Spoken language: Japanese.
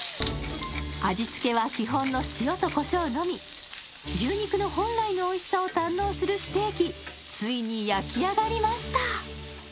味付けは基本の塩とコショウのみ牛肉の本来のおいしさを堪能するステーキついに焼き上がりました